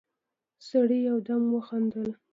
سړي يودم وخندل: